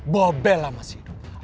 bahwa bella masih hidup